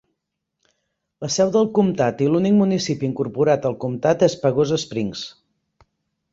La seu del comtat i l'únic municipi incorporat al comtat és Pagosa Springs.